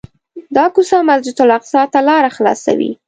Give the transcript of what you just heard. دا کوڅه مسجدالاقصی ته لاره خلاصوي.